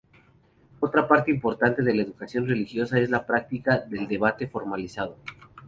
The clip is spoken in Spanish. Otra parte importante de la educación religiosa es la práctica del debate formalizado.